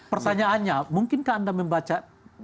pertanyaannya mungkinkah anda membaca